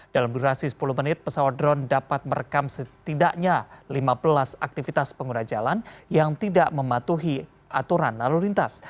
dalam durasi sepuluh menit pesawat drone dapat merekam setidaknya lima belas aktivitas pengguna jalan yang tidak mematuhi aturan lalu lintas